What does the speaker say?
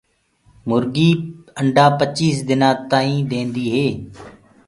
مرگي انڊآ پچيس دنآ تآئينٚ ديندي هي۔